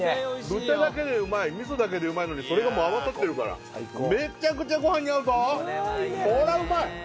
豚だけでうまい味噌だけでうまいのにそれが合わさってるからめちゃくちゃご飯に合うぞこりゃうまい！